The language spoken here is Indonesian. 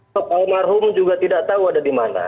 pak almarhum juga tidak tahu ada di mana